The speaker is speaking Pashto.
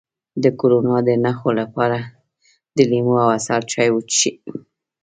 د کرونا د نښو لپاره د لیمو او عسل چای وڅښئ